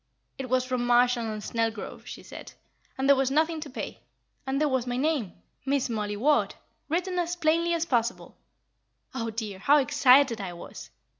It was from Marshall & Snelgrove, she said, and there was nothing to pay; and there was my name, 'Miss Mollie Ward,' written as plainly as possible. Oh, dear, how excited I was?